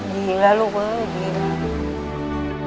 ดีแล้วลูกมือดีแล้ว